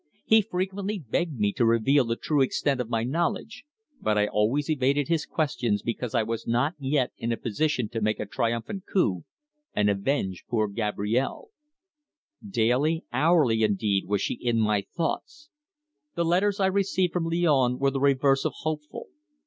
He frequently begged me to reveal the true extent of my knowledge, but I always evaded his questions because I was not yet in a position to make a triumphant coup, and avenge poor Gabrielle. Daily, hourly indeed, was she in my thoughts. The letters I received from Lyons were the reverse of hopeful.